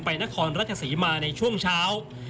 ไปหน้าคอนรัฐศรีมาในช่วงเช้า